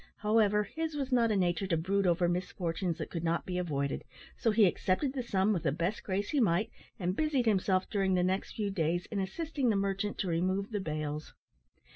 However, his was not a nature to brood over misfortunes that could not be avoided, so he accepted the sum with the best grace he might, and busied himself during the next few days in assisting the merchant to remove the bales.